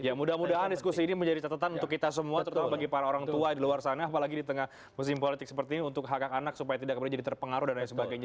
ya mudah mudahan diskusi ini menjadi catatan untuk kita semua terutama bagi para orang tua di luar sana apalagi di tengah musim politik seperti ini untuk hak hak anak supaya tidak kemudian jadi terpengaruh dan lain sebagainya